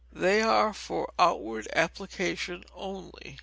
They are for outward application only.